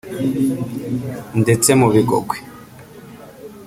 ndetse mu Bigogwe